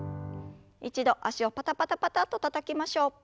一度脚をパタパタパタッとたたきましょう。